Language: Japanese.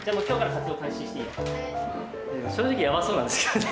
正直やばそうなんですけどね。